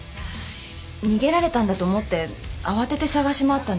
逃げられたんだと思って慌てて捜し回ったんです。